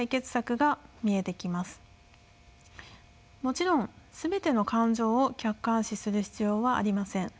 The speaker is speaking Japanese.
もちろん全ての感情を客観視する必要はありません。